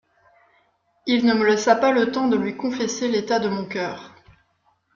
Il ne me laissa pas le temps de lui confesser l'état de mon coeur.